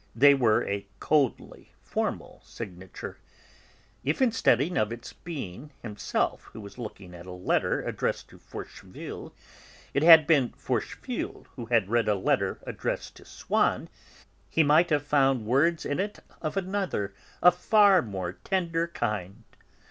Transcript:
They were a coldly formal signature. If, instead of its being himself who was looking at a letter addressed to Forcheville, it had been Forcheville who had read a letter addressed to Swann, he might have found words in it of another, a far more tender kind!